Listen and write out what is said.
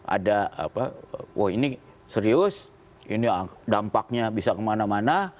ada wah ini serius ini dampaknya bisa kemana mana